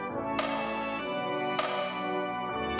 kualitas yang baik